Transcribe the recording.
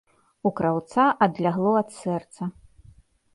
У краўца адлягло ад сэрца.